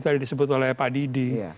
tadi disebut oleh pak didi